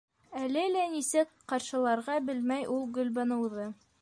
Әле лә нисек ҡаршыларға белмәй ул Гөлбаныуҙы.